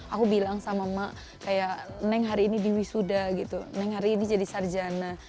aku bilang sama mak kayak neng hari ini di wisuda gitu neng hari ini jadi sarjana